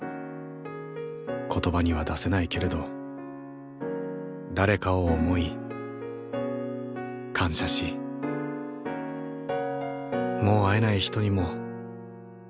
言葉には出せないけれど誰かを思い感謝しもう会えない人にも。